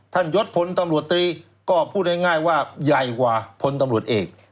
ท่านยศพลบรรทรีก็พูดง่ายว่าใหญ่กว่าพลบรรท่านเอก